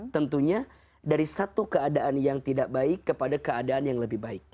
tentunya dari satu keadaan yang tidak baik kepada keadaan yang lebih baik